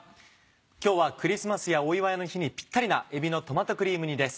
今日はクリスマスやお祝いの日にぴったりな「えびのトマトクリーム煮」です。